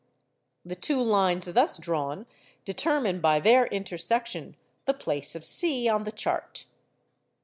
The two lines thus drawn determine by their intersection the place of C on the chart.